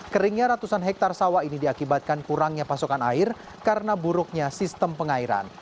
keringnya ratusan hektare sawah ini diakibatkan kurangnya pasokan air karena buruknya sistem pengairan